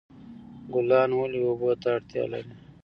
ګلان ولې اوبو ته اړتیا لري؟